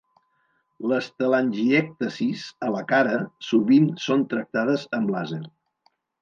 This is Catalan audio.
Les telangièctasis a la cara sovint són tractades amb làser.